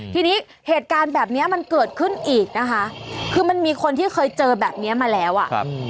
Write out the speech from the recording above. ทีนี้เหตุการณ์แบบเนี้ยมันเกิดขึ้นอีกนะคะคือมันมีคนที่เคยเจอแบบนี้มาแล้วอ่ะครับ